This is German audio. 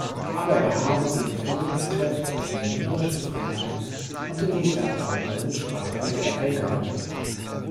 Aber er habe seinen Führungskräften unternehmerische Freiheiten und den Sozialpartnern Mitspracherechte eingeräumt.